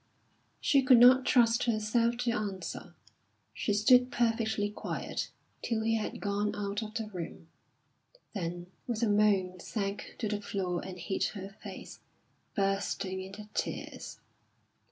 She could not trust herself to answer. She stood perfectly quiet till he had gone out of the room; then with a moan sank to the floor and hid her face, bursting into tears.